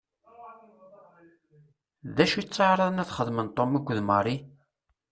D acu i tteɛṛaḍen ad xedmen Tom akked Mary?